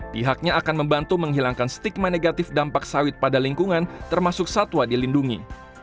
pihaknya akan membantu menghilangkan stigma negatif dampak sawit pada lingkungan termasuk satwa dilindungi